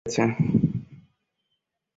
কূটনীতিকদের অবহিত করা হয়েছে।